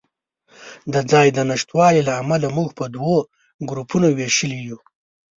د ځای د نشتوالي له امله یې موږ په دوو ګروپونو وېشلي یو.